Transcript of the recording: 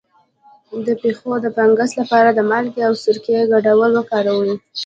د پښو د فنګس لپاره د مالګې او سرکې ګډول وکاروئ